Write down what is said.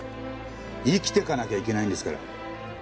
生きていかなきゃいけないんですから！